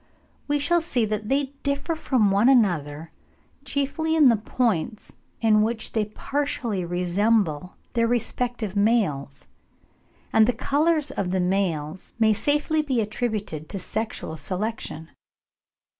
we shall see that they differ from one another chiefly in the points in which they partially resemble their respective males; and the colours of the males may safely be attributed to sexual selection.